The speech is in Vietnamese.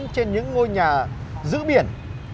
trên những ngôi nhà giữ biển